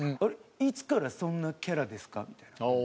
いつからそんなキャラですか」みたいな。